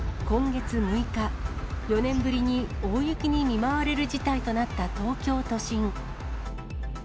今月６日、４年ぶりに大雪に見舞われる事態となった東京都心。